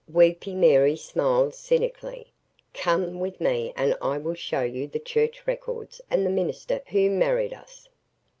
"Weepy Mary" smiled cynically. "Come with me and I will show you the church records and the minister who married us."